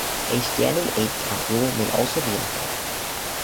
A "standing eight" count rule may also be in effect.